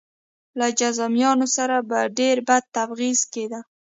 له جذامیانو سره به ډېر بد تبعیض کېده.